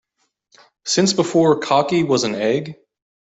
Since before cocky was an egg.